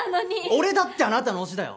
俺だってあなたの推しだよ！